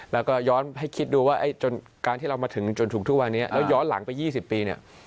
แล้วก็ย้อนให้คิดดูว่าจนการที่เรามาถึงจนถึงทุกวันนี้แล้วย้อนหลังไป๒๐ปีเนี่ย